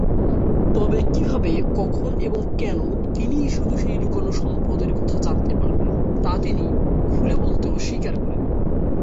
তবে কীভাবে, কখন এবং কেন তিনিই শুধু সেই লুকানো সম্পদের কথা জানতে পারলেন, তা তিনি খুলে বলতে অস্বীকার করেন।